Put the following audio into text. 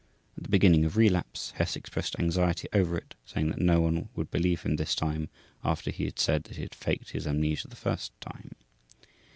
(At the beginning of relapse, Hess expressed anxiety over it, saying that no one would believe him this time after he had said he had faked his amnesia the first time.)